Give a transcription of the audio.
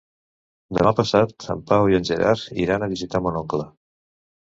Demà passat en Pau i en Gerard iran a visitar mon oncle.